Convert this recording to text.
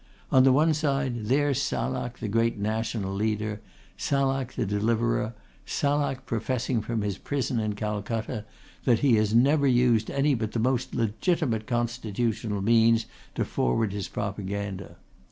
On the one side there's Salak the great national leader, Salak the deliverer, Salak professing from his prison in Calcutta that he has never used any but the most legitimate constitutional means to forward his propaganda.